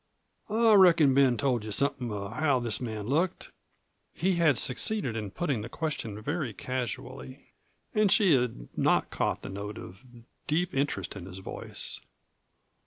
I reckon Ben told you somethin' of how this man looked?" He had succeeded in putting the question very casually, and she had not caught the note of deep interest in his voice.